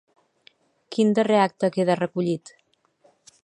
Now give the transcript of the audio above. Quin darrer acte queda recollit?